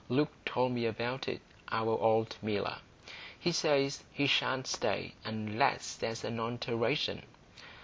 Luke told me about it,—our old miller. He says he sha'n't stay unless there's an alteration.